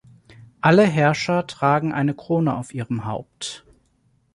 Alle Herrscher tragen eine Krone auf ihrem Haupt.